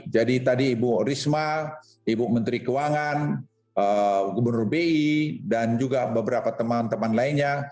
jadi tadi ibu risma ibu menteri keuangan gubernur bi dan juga beberapa teman teman lainnya